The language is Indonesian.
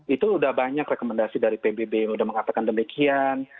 itu sudah banyak rekomendasi dari pbb yang sudah mengatakan demikian